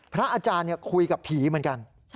พระอาจารย์คุยกับผีเหมือนกัน